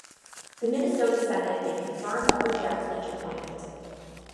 The Minnesota Senate may confirm or reject each appointment.